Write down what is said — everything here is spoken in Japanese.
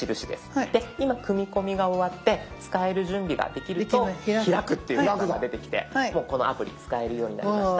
今組み込みが終わって使える準備ができると「開く」っていうマークが出てきてもうこのアプリ使えるようになりました。